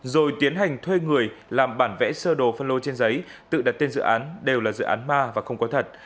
rồi tiến hành thuê người làm bản vẽ sơ đồ phân lô trên giấy tự đặt tên dự án đều là dự án ma và không có thật